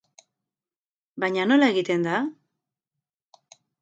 Baina, nola egiten da?